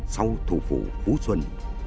sau thủ phủ phú xuân